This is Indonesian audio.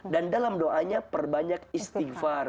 dan dalam doanya perbanyak istighfar